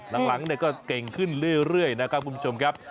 หลังก็เก่งขึ้นเรื่อยนะครับคุณผู้ชมครับ